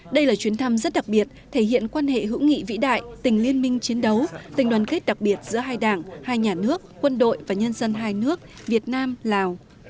đây là chuyến thăm rất đặc biệt thể hiện quan hệ hữu nghị vĩ đại tình liên minh chiến đấu tình đoàn kết đặc biệt giữa hai đảng hai nhà nước quân đội và nhân dân hai nước việt nam lào